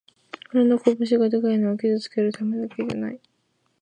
俺の拳がでかいのは傷つけるためじゃない